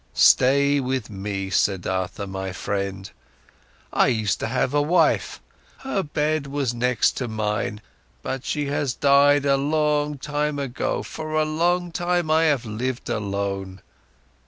Stay with me, Siddhartha, my friend. I used to have a wife, her bed was next to mine, but she has died a long time ago, for a long time, I have lived alone.